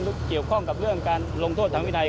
เกี่ยวข้องกับเรื่องการลงโทษทางวินัย